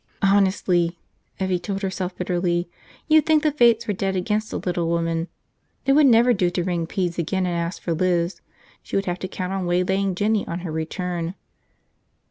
Honestly! Evvie told herself bitterly, you'd think the fates were dead against the little woman. It would never do to ring pedes again and ask for Liz. She would have to count on waylaying Jinny on her return.